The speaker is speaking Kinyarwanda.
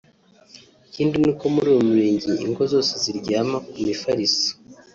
Ikindi ni uko muri uyu murenge ingo zose ziryama ku mifariso